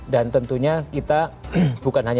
dan tentunya kita bukan hanya dari pihaknya